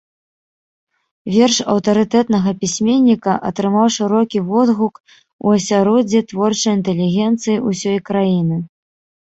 Верш аўтарытэтнага пісьменніка атрымаў шырокі водгук у асяроддзі творчай інтэлігенцыі ўсёй краіны.